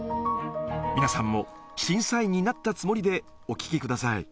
皆さんも審査員になったつもりでお聴きください。